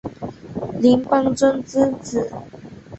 林邦桢之子。